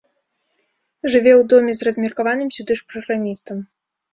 Жыве ў доме з размеркаваным сюды ж праграмістам.